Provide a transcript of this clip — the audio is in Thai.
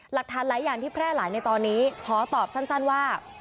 หลักฐานหลายอย่างที่แพร่หลายในตอนนี้ขอตอบสั้นว่า